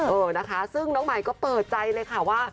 เออนะคะซึ่งน้องใหม่ก็เปิดใจเลยค่ะว่า